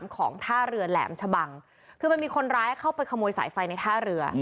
ของท่าเรือแหลมชะบังคือมันมีคนร้ายเข้าไปขโมยสายไฟในท่าเรือ